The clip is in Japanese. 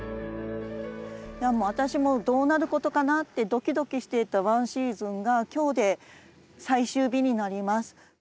私もどうなることかなってドキドキしていた１シーズンが今日で最終日になります。